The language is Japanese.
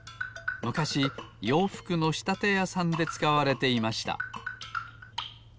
むかしようふくのしたてやさんでつかわれていました。